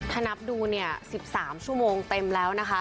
ถ้านับดูเนี่ย๑๓ชั่วโมงเต็มแล้วนะคะ